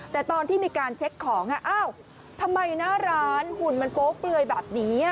แต่ตอนที่มีการเช็คของอ้าวทำไมหน้าร้านหุ่นมันโป๊เปลือยแบบนี้